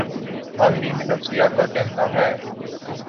ماہرین نفسیات کا کہنا ہے